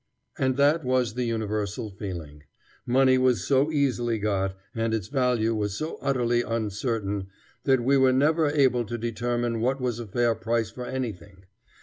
And that was the universal feeling. Money was so easily got, and its value was so utterly uncertain, that we were never able to determine what was a fair price for anything.